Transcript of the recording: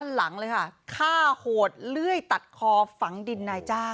หลังเลยค่ะฆ่าโหดเลื่อยตัดคอฝังดินนายจ้าง